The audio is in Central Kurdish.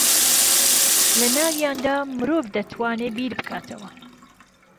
لە ناویاندا مرۆڤ دەتوانێ بیر بکاتەوە